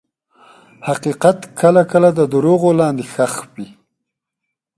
حقیقت کله کله د دروغو لاندې ښخ وي.